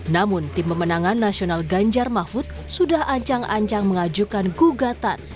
namun tim pemenangan nasional ganjar mahfud sudah ancang ancang mengajukan gugatan